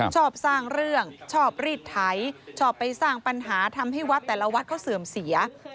ชอบสร้างเรื่องชอบรีดไถชอบไปสร้างปัญหาทำให้วัดแต่ละวัดเขาเสื่อมเสีย